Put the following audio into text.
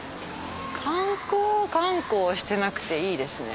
観光観光してなくていいですね。